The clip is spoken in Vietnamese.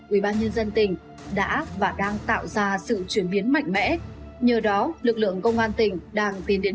ubnd tỉnh đã và đang tạo ra sự chuyển biến mạnh mẽ nhờ đó lực lượng công an tỉnh đang tiến đến